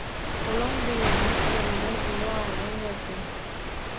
Olaň birini özüňden uly agaň berse